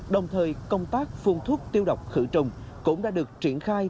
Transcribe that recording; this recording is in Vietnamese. đồng thời công tác phun thuốc tiêu độc khử trùng cũng đã được triển khai